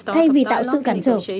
thay vì tạo sự cản trở